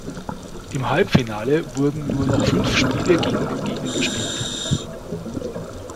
Im Halbfinale wurden nur noch fünf Spiele gegen den Gegner gespielt.